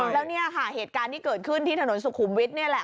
แล้วเนี่ยค่ะเหตุการณ์ที่เกิดขึ้นที่ถนนสุขุมวิทย์นี่แหละ